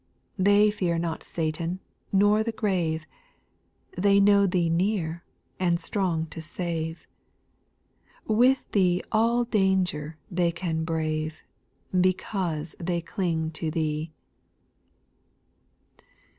They fear not Satan, nor the grave, They know Thee near, and strong to save ; With Thee all danger they can brave, Because they cling to Thee 1 8.